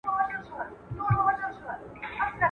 دښمن که دي د لوخو پړى وي، هم ئې مار بوله.